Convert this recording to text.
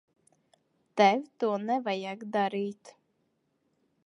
Tev to nevajag darīt.